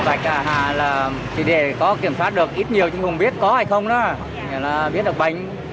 vạch là chỉ để có kiểm tra được ít nhiều chứ không biết có hay không đó biết được bệnh